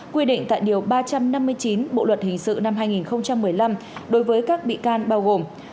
quy định tại điều ba trăm năm mươi chín bộ luật hình sự năm hai nghìn một mươi năm đối với các bị can bao gồm